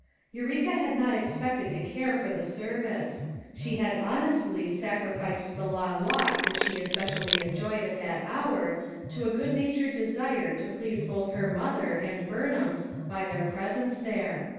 Eureka had not expected to care for the serv ice; she had honestly sacrificed the long walk that she especially enjoyed at that hour, to a good natured desire to please both her mother and Burnham's by their presence there.